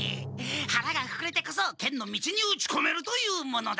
はらがふくれてこそ剣の道に打ちこめるというものだ！